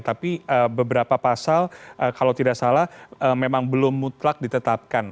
tapi beberapa pasal kalau tidak salah memang belum mutlak ditetapkan